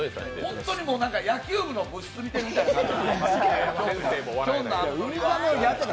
本当に野球部の部室見てるみたいな感じ。